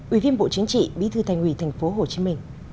ubnd bí thư thành ủy tp hcm